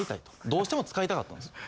どうしても使いたかったんです。